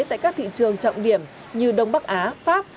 tại các thị trường trọng điểm như đông bắc á pháp